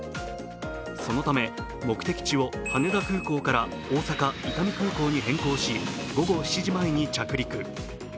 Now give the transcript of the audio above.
そのため目的地を羽田空港から大阪・伊丹空港に変更し午後７時前に着陸。